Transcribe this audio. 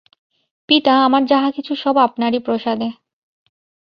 পিতা, আমার যাহা কিছু সব আপনারই প্রসাদে।